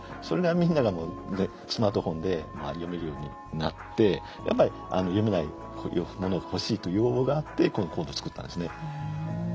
それがみんながスマートフォンで読めるようになって読めないものが欲しいという要望があってこのコードを作ったんですね。